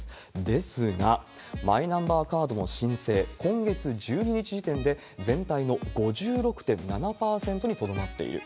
ですが、マイナンバーカードの申請、今月１２日時点で全体の５６．７％にとどまっている。